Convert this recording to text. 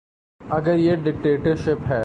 اگر یہ ڈکٹیٹرشپ ہے۔